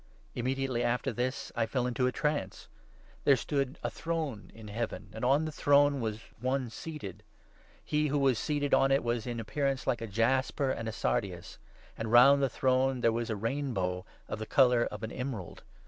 Immediately after this I fell into a trance. There stood a throne in Heaven, and on the throne was One seated. He who was seated on it was in appearance like a jasper and a sardius ; and ' round the throne there was a rainbow ' of the colour of an emerald.